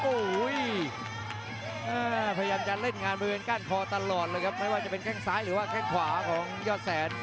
ก็พยายามจะเล่นงานไปเป็นก้านคอตลอดเลยครับไม่ว่าจะเป็นแก้งซ้ายหรือจะเป็นแก้งขวาของยอดแสน